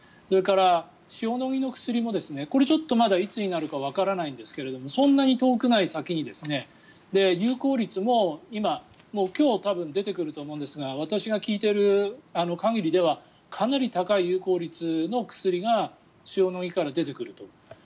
それから、塩野義の薬もこれはちょっといつになるのかわからないんですけれどもそんなに遠くない先に有効率も今今日多分出てくると思うんですが私が聞いている限りではかなり高い有効率の薬が塩野義から出てくると。